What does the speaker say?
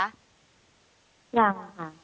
ยังค่ะ